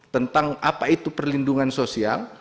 tentang apa itu perlindungan sosial